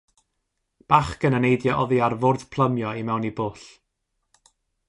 Bachgen yn neidio oddi ar fwrdd plymio i mewn i bwll.